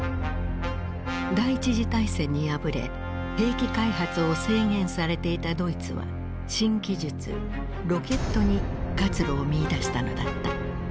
第一次大戦に敗れ兵器開発を制限されていたドイツは新技術ロケットに活路を見いだしたのだった。